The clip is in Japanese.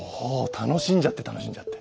楽しんじゃって楽しんじゃって。